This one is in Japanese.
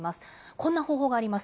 こんな方法があります。